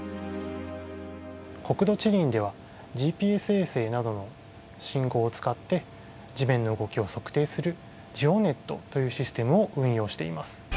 国土地理院ではＧＰＳ衛星などの信号を使って地面の動きを測定する「ＧＥＯＮＥＴ」というシステムを運用しています。